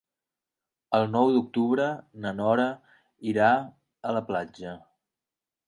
El nou d'octubre na Nora irà a la platja.